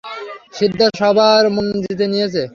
Simba সবার মন জিতে নিয়েছে।